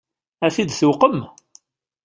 Ad t-id-tuqem?